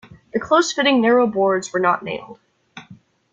The close fitting narrow boards were not nailed.